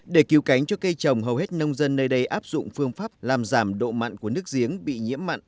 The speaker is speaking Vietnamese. để cứu cánh cho cây trồng hầu hết nông dân nơi đây áp dụng phương pháp làm giảm độ mặn của nước giếng bị nhiễm mặn